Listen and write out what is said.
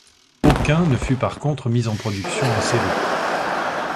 Aucun ne fut par contre mis en production en série.